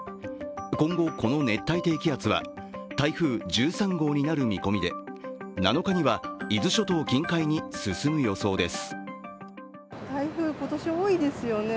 今後、この熱帯低気圧は台風１３号になる見込みで７日には伊豆諸島近海に進む予想です。